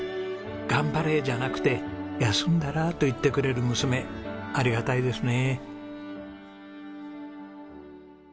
「頑張れ」じゃなくて「休んだら？」と言ってくれる娘ありがたいですね。